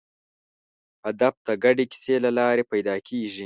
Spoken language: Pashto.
هدف د ګډې کیسې له لارې پیدا کېږي.